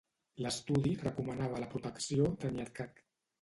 L'estudi recomanava la protecció d'Aniakchak.